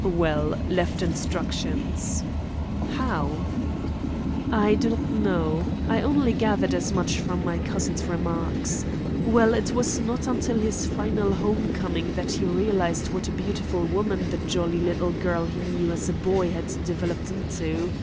"Well, left instructions." "How?" "I do not know. I only gathered as much from my cousin's remarks. Well, it was not until his final home coming that he realised what a beautiful woman the jolly little girl he knew as a boy had developed into.